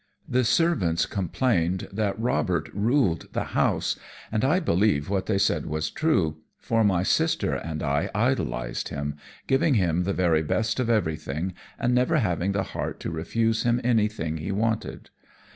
The servants complained that Robert ruled the house, and I believe what they said was true, for my sister and I idolized him, giving him the very best of everything and never having the heart to refuse him anything he wanted.